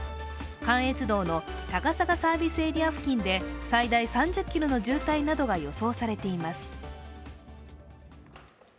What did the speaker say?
関越道の高坂サービスエリア付近で最大３０ｋｍの渋滞などが予想されています。